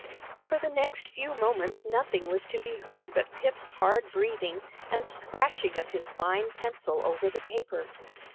For the next few moments nothing was to be heard but Pip's hard breathing and the scratching of his fine pencil over the paper.